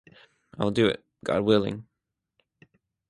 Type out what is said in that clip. I will do it, God willing.